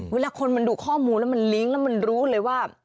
เวลาคนมันดูข้อมูลแล้วมันลิงก์แล้วมันรู้เลยว่า